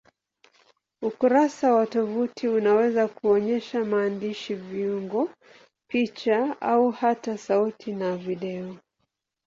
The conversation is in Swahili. Ukurasa wa tovuti unaweza kuonyesha maandishi, viungo, picha au hata sauti na video.